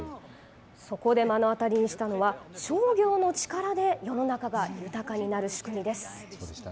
そこで目の当たりにしたのは商業の力で世の中が豊かになる仕組みです。